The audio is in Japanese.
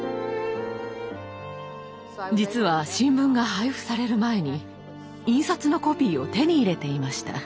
実は新聞が配布される前に印刷のコピーを手に入れていました。